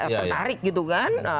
tertarik gitu kan